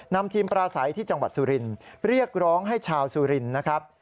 นำทีมปราศัยที่จังหวัดสุรินเรียกร้องให้ชาวสุรินทร์นะครับ